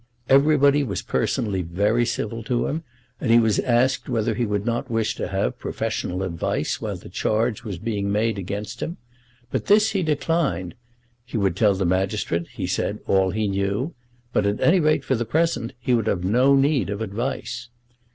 Everybody was personally very civil to him, and he was asked whether he would not wish to have professional advice while the charge was being made against him. But this he declined. He would tell the magistrate, he said, all he knew, but, at any rate for the present, he would have no need of advice.